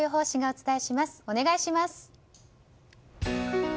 お願いします。